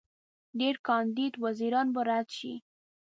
ډېر کاندید وزیران به رد شي.